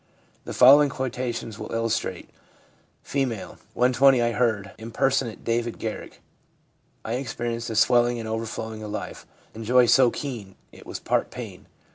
The following quotations will illustrate. F. 'When 20 I heard impersonate David Garrick. I experienced a swelling and overflowing of life, and joy so keen it was part pain.